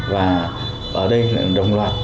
và ở đây là đồng loạt